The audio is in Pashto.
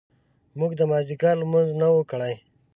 موږ د مازیګر لمونځونه نه وو کړي.